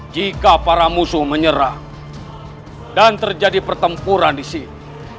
jika para musuh menyerah dan terjadi pertempuran di sini